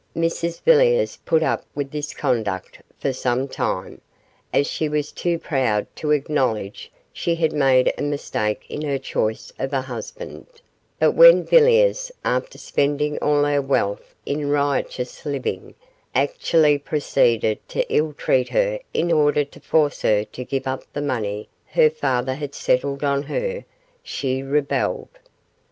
Mrs Villiers put up with this conduct for some time, as she was too proud to acknowledge she had made a mistake in her choice of a husband; but when Villiers, after spending all her wealth in riotous living, actually proceeded to ill treat her in order to force her to give up the money her father had settled on her, she rebelled.